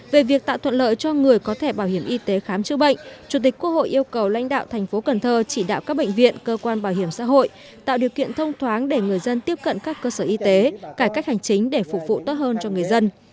về việc tạo thuận lợi cho người có thể bảo hiểm y tế khám chữa bệnh chủ tịch quốc hội yêu cầu lãnh đạo thành phố cần thơ chỉ đạo các bệnh viện cơ quan bảo hiểm xã hội tạo điều kiện thông thoáng để người dân tiếp cận các cơ sở y tế cải cách hành chính để phục vụ tốt hơn cho người dân